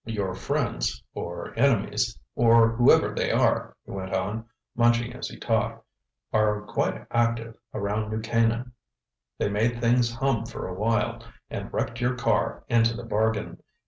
"Your friends, or enemies, or whoever they are," he went on, munching as he talked, "are quite active around New Canaan. They made things hum for a while, and wrecked your car into the bargain.